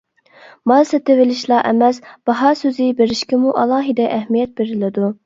مال سېتىۋېلىشلا ئەمەس، باھا سۆزى بېرىشكىمۇ ئالاھىدە ئەھمىيەت بېرىلىدۇ.